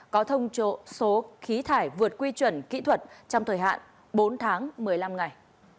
có thông số khí thải vượt quy chuẩn kỹ thuật trong thời hạn bốn tháng một mươi năm ngày